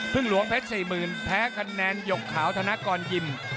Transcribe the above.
หลวงเพชร๔๐๐๐แพ้คะแนนหยกขาวธนกรยิม